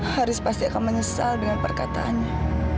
haris pasti akan menyesal dengan perkataannya